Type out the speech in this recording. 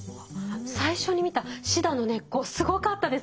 最初に見たシダの根っこすごかったです。